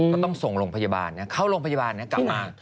ต้องส่งโรงพยาบาลนะเข้าโรงพยาบาลนะกลับมา